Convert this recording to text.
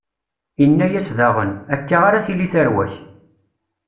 Inna-yas daɣen: Akka ara tili tarwa-k.